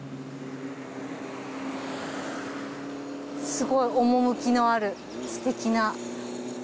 すごい趣のあるすてきな。